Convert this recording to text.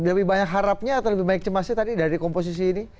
lebih banyak harapnya atau lebih baik cemasnya tadi dari komposisi ini